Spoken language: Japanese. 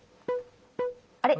あれ？